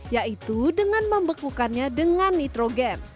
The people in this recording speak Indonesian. yaitu dengan membekukannya dengan nitrogen